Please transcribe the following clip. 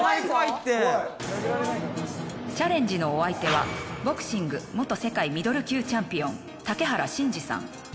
チャレンジのお相手はボクシング元世界ミドル級チャンピオン竹原慎二さん。